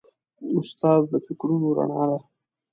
استاد د فکرونو رڼا ده.